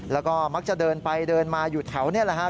แล้วก็มักจะเดินไปเดินมาอยู่แถวนี่แหละครับ